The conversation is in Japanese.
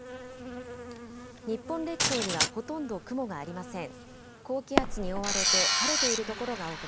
日本列島にはほとんど雲がありません。